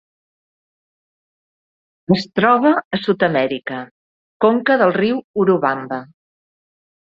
Es troba a Sud-amèrica: conca del riu Urubamba.